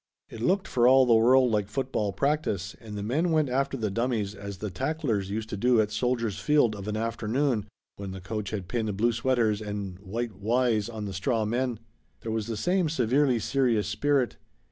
It looked for all the world like football practice and the men went after the dummies as the tacklers used to do at Soldiers' Field of an afternoon when the coach had pinned blue sweaters and white "Y's" on the straw men. There was the same severely serious spirit.